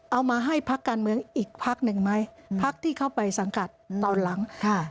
เอามาให้พักการเมืองอีกพักหนึ่งไหมพักที่เข้าไปสังกัดตอนหลังค่ะ